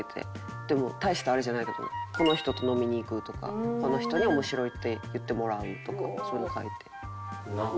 でも大したあれじゃないけど「この人と飲みに行く」とか「この人に“面白い”って言ってもらう」とかそういうの書いて。